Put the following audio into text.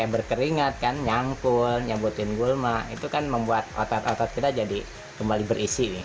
berkeringat kan nyangkul nyebutin gulma itu kan membuat otot otot kita jadi kembali berisi